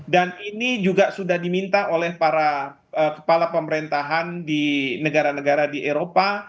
dan ini juga sudah diminta oleh para kepala pemerintahan di negara negara di eropa